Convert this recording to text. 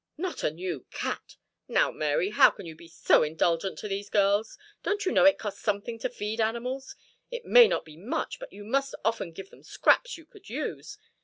Not a new cat! Now, Mary, how can you be so indulgent to these girls? Don't you know it costs something to feed animals? It may not be much, but you must often give them scraps you could use.